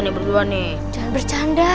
ada yang ngomong itu gue aja tuh partie parisia